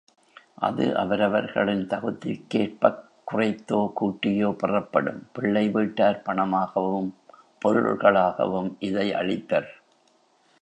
அது அவரவர்களின் தகுதிக்கேற்பக் குறைத்தோ கூட்டியோ பெறப்படும், பிள்ளை வீட்டார் பணமாகவும், பொருள்களாகவும் இதை அளிப்பர்.